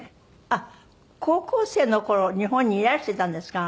あっ高校生の頃日本にいらしていたんですか？